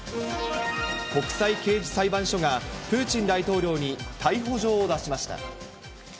国際刑事裁判所が、プーチン大統領に逮捕状を出しました。